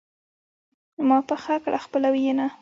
ما پخه کړه خپله ينه